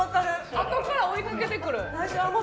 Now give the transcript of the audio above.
あとから追いかけてくる。